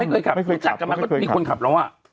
ไม่เคยขับไม่เคยขับจัดกำลังก็มีคนขับแล้วอ่ะ